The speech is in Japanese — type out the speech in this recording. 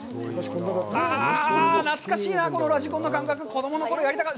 ああ、懐かしいな、このラジコンの感覚、子供のころ、やりたかった。